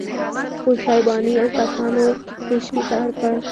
خو شیباني ازبکانو تیښتې ته اړ کړ.